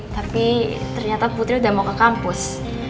tapi ternyata putri udah mau ke kampus